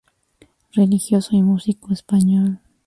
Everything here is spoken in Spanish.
Religioso y músico español.